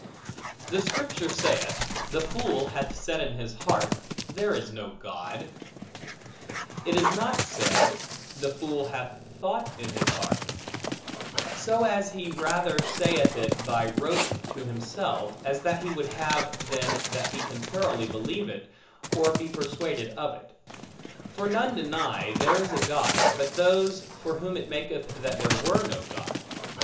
The Scripture saith, The fool hath said in his heart, there is no God; it is not said, The fool hath thought in his heart; so as he rather saith it, by rote to himself, as that he would have, than that he can thoroughly believe it, or be persuaded of it. For none deny, there is a God, but those, for whom it maketh that there were no God.